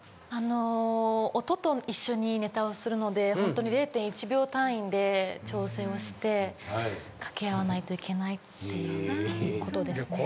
あの音と一緒にネタをするので０．１秒単位で調整をして掛け合わないといけないっていうことです。